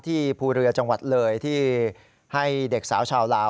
ภูเรือจังหวัดเลยที่ให้เด็กสาวชาวลาว